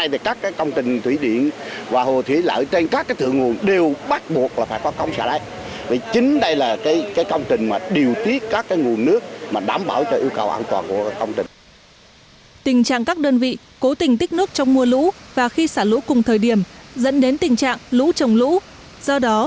do đó việc xả lũ trong mùa lũ sẽ giúp các đơn vị phối hợp chặt chẽ với các địa phương